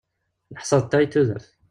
Neḥsa d ta i tudert.